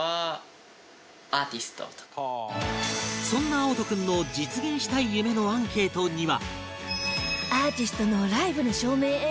そんな碧人君の実現したい夢のアンケートには